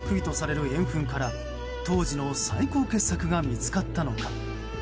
なぜ、格が低いとされる円墳から当時の最高傑作が見つかったのか。